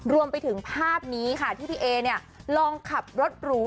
รวมไปถึงภาพนี้ค่ะที่พี่เอเนี่ยลองขับรถหรู